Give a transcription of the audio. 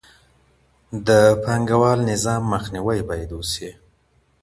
د پانګه وال نظام مخنیوی باید وسي.